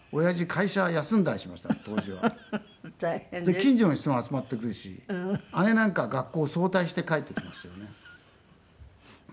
近所の人が集まってくるし姉なんか学校を早退して帰ってきましたよね。